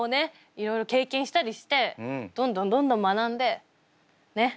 いろいろ経験したりしてどんどんどんどん学んでねっ。